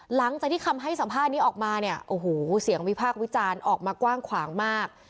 หลังจากที่คำให้สัมภาษณ์นี้ออกมาเนี่ยโอ้โหเสียงวิพากษ์วิจารณ์ออกมากว้างขวางมาก